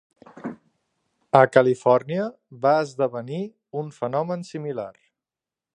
A Califòrnia va esdevenir un fenomen similar.